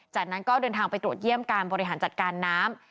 จากนั้นก็เดินทางไปตรวจเยี่ยมการบริหารจัดการน้ำ